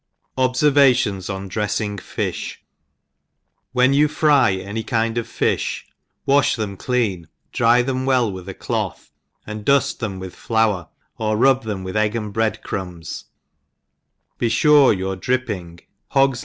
Obfervations on Dressing Fish. WHEN you fry any kind of fifh, wafh them clean, dry them well with a cloth, and duft them with^our, or rub them with egg and bread crumbs; be fure your dripping, hog's ENGLISH l^OUSE KEEPER.